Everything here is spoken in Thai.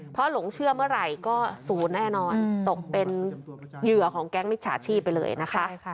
เพราะหลงเชื่อเมื่อไหร่ก็ศูนย์แน่นอนตกเป็นเหยื่อของแก๊งมิจฉาชีพไปเลยนะคะ